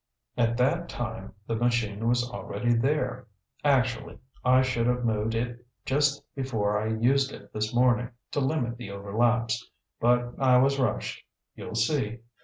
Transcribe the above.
At that time the machine was already there. Actually, I should have moved it just before I used it this morning, to limit the overlaps. But I was rushed. You'll see.